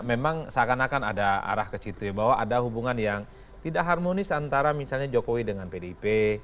memang seakan akan ada arah ke situ ya bahwa ada hubungan yang tidak harmonis antara misalnya jokowi dengan pdip